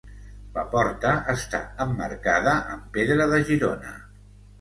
La porta està emmarcada amb pedra de Girona.